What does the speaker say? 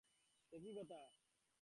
সে কী কথা।